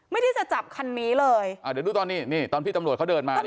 ไม่ได้จะจับคันนี้เลยอ่าเดี๋ยวดูตอนนี้นี่ตอนพี่ตำรวจเขาเดินมานี่